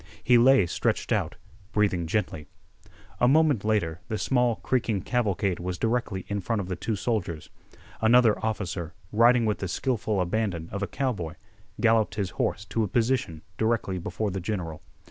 He lay stretched out, breathing gently. A moment later the small, creaking cavalcade was directly in front of the two soldiers. Another officer, riding with the skillful abandon of a cowboy, galloped his horse to a position directly before the general.